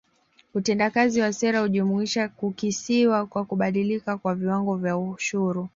Utendakazi wa sera hujumuisha kukisiwa kwa kubadilika kwa viwango vya ushuru